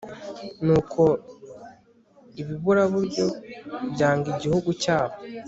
nuko ibiburaburyo byanga igihugu cyabo